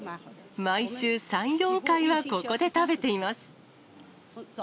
毎週３、４回はここで食べています。